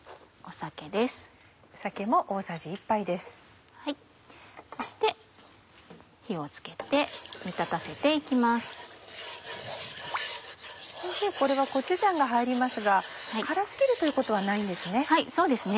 先生これはコチュジャンが入りますが辛過ぎるということはないんですね。